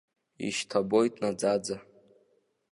Ишьҭабоит наӡаӡа.